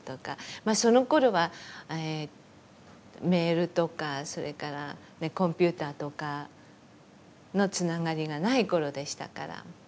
まあそのころはメールとかそれからコンピューターとかのつながりがない頃でしたから。